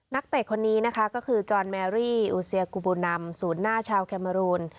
เตะคนนี้นะคะก็คือจอนแมรี่อูเซียกูบูนำศูนย์หน้าชาวแคเมอรูน